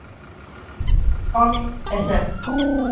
¡Home!, é certo.